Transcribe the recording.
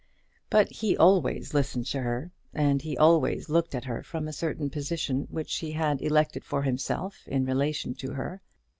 But he always listened to her, and he always looked at her from a certain position which he had elected for himself in relation to her.